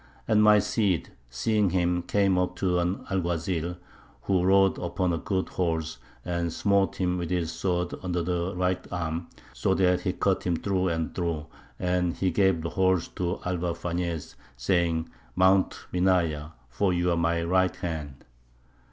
And my Cid, seeing him, came up to an Alguazil, who rode upon a good horse, and smote him with his sword under the right arm, so that he cut him through and through, and he gave the horse to Alvar Fañez, saying, Mount Minaya, for you are my right hand."